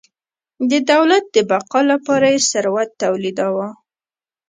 د دولت د بقا لپاره یې ثروت تولیداوه.